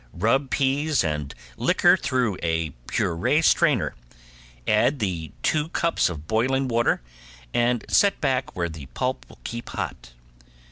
Rub peas and liquor through a puree strainer, add two cups of boiling water, and set back where the pulp will keep hot.